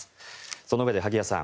そのうえで萩谷さん